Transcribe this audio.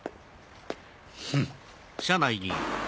フッ。